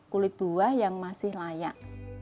kulit buah yang masih layak